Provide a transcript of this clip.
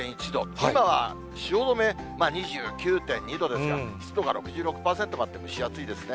今は汐留、２９．２度ですが、湿度が６６％もあって、蒸し暑いですね。